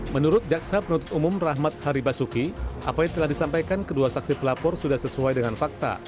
menurut jaksa penuntut umum rahmat haribasuki apa yang telah disampaikan kedua saksi pelapor sudah sesuai dengan fakta